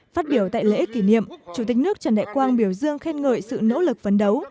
phát biểu tại lễ kỷ niệm chủ tịch nước trần đại quang biểu dương khen ngợi sự nỗ lực phấn đấu